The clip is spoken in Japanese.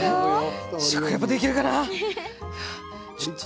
食リポできるかな？